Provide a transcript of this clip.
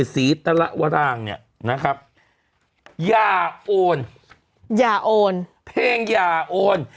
สีตระวร่างเนี่ยนะครับย่าโอนเพลงย่าโอน